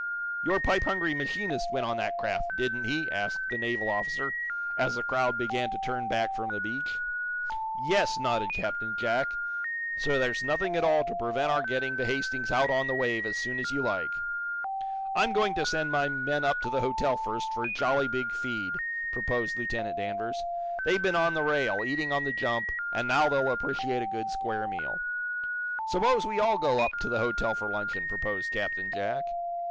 "Your pipe hungry machinist went on that craft, didn't he!" asked the naval officer, as the crowd began to turn back from the beach. "Yes," nodded Captain Jack. "So there's nothing at all to prevent our getting the 'Hastings' out on the wave as soon as you like." "I'm going to send my men up to the hotel, first, for a jolly big feed," proposed Lieutenant Danvers. "They've been on the rail, eating on the jump, and now they'll appreciate a good square meal." "Suppose we all go up to the hotel for luncheon!" proposed Captain Jack.